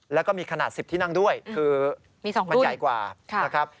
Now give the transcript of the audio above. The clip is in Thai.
แล้วก็มีขนาด๑๐ที่นั่งด้วยคือมันใหญ่กว่านะครับ